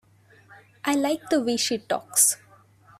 I like the way she talks.